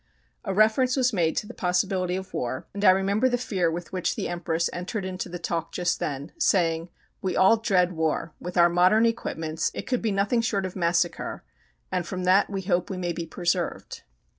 A reference was made to the possibility of war, and I remember the fear with which the Empress entered into the talk just then, saying "We all dread war. With our modern equipments it could be nothing short of massacre, and from that we hope we may be preserved."